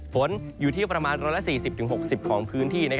ฝนอยู่ที่ประมาณ๑๔๐๖๐ของพื้นที่